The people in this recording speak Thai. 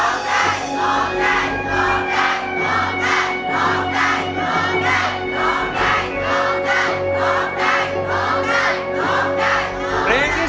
โน้งใจโอร้องได้